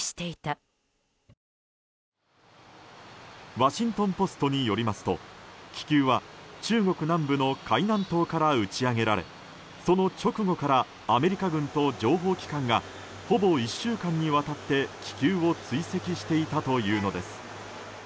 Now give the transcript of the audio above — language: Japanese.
ワシントン・ポストによりますと気球は中国南部の海南島から打ち上げられその直後からアメリカ軍と情報機関がほぼ１週間にわたって気球を追跡していたというのです。